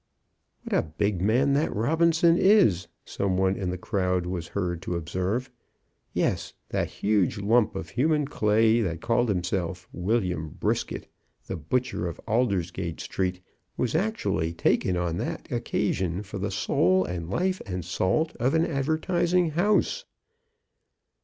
"What a big man that Robinson is!" some one in the crowd was heard to observe. Yes; that huge lump of human clay that called itself William Brisket, the butcher of Aldersgate Street, was actually taken on that occasion for the soul, and life, and salt of an advertising house.